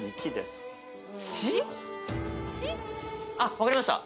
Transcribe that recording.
分かりました！